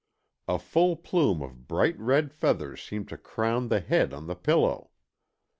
A full plume of bright red feathers seemed to crown the head on the pillow.